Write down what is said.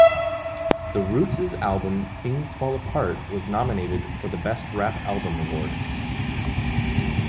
The Roots' album "Things Fall Apart" was nominated for the Best Rap Album award.